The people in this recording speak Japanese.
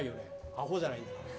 アホじゃないんだから。